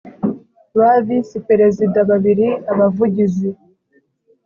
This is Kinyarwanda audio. ba visi perezida babiri abavugizi